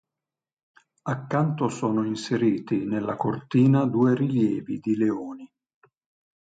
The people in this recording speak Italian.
Accanto sono inseriti, nella cortina, due rilievi di leoni.